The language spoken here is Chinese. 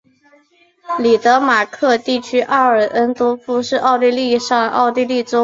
里德马克地区阿贝恩多夫是奥地利上奥地利州乌尔法尔城郊县的一个市镇。